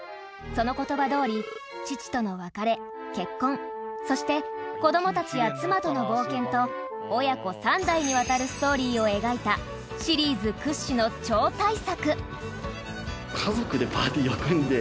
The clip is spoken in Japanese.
その言葉どおり父との別れ、結婚そして子どもたちや妻との冒険と親子三代にわたるストーリーを描いたシリーズ屈指の超大作男性：